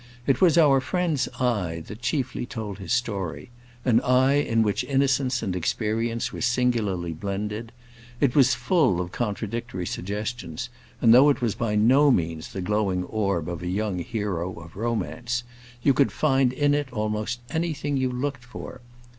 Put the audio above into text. It was our friend's eye that chiefly told his story; an eye in which innocence and experience were singularly blended. It was full of contradictory suggestions, and though it was by no means the glowing orb of a hero of romance, you could find in it almost anything you looked for.